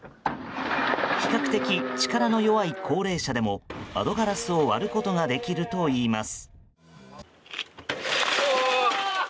比較的、力の弱い高齢者でも窓ガラスを割ることができるといいます。